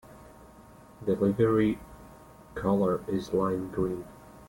The livery colour is lime green.